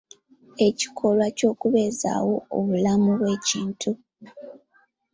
Ekikolwa ky'okubeezaawo obulamu bw'ekintu.